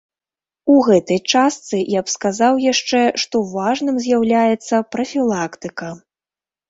У гэтай частцы я б сказаў яшчэ, што важным з'яўляецца прафілактыка.